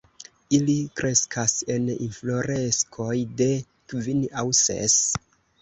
Ili kreskas en infloreskoj de kvin aŭ ses.